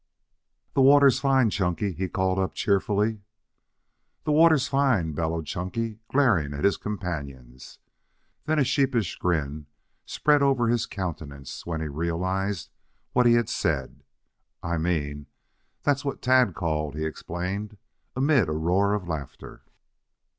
"The water's fine, Chunky," he called up cheerfully. "The water's fine," bellowed Chunky, glaring at his companions. Then a sheepish grin spread over his countenance when he realized what he had said. "I mean, that's what Tad called," he explained, amid a roar of laughter.